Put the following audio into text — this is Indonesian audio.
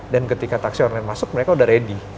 dan ketika taksi online masuk mereka udah ready